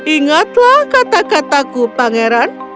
ingatlah kata kataku pangeran